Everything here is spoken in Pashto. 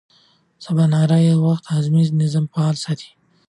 د سباناري مناسب وخت د هاضمې نظام فعال ساتي.